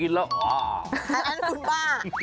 กินแล้วอ่าคุณบ้า